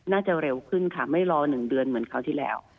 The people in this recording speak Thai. น่าจะเร็วขึ้นค่ะไม่รอ๑เดือนเหมือนคราวที่แล้ว